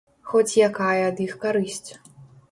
Хоць якая ад іх карысць.